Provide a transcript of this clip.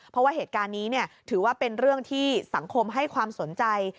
เพราะว่าเหตุการณ์นี้ถือว่าเป็นเรื่องที่สังคมให้ความสนใจ